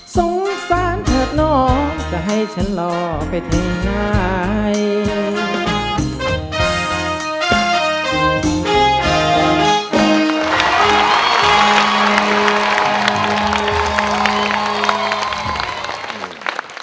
สงสารเถิดน้องจะให้ฉันรอไปถึงไหน